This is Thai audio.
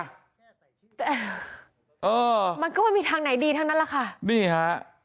เออมันก็ไม่มีทางไหนดีทั้งนั้นแหละค่ะนี่ฮะ